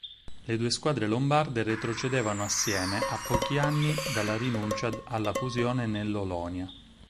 Le due squadre lombarde retrocedevano assieme, a pochi anni dalla rinuncia alla fusione nell'Olonia.